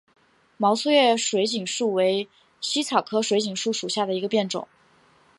毛粗叶水锦树为茜草科水锦树属下的一个变种。